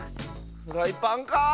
フライパンか？